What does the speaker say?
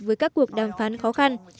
với các cuộc đàm phán khó khăn